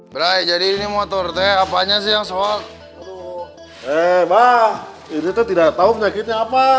brai jadi ini motor teh apanya sih yang soal eh bah itu tidak tahu penyakitnya apa